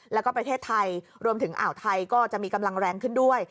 แล้วก็ประเทศไทยรวมถึงอ่าวไทยก็จะมีกำลังแรงขึ้นด้วย